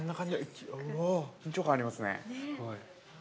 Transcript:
緊張感ありますね。